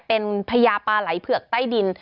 เป็นพญาปลาไหลเผือกใต้ดิน